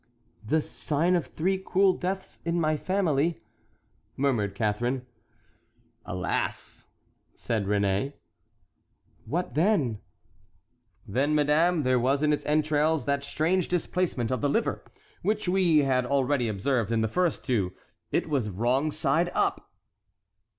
"The sign of three cruel deaths in my family," murmured Catharine. "Alas!" said Réné. "What then?" "Then, madame, there was in its entrails that strange displacement of the liver which we had already observed in the first two—it was wrong side up!"